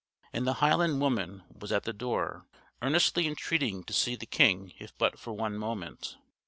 And the Highland woman was at the door, earnestly entreating to see the king if but for one moment!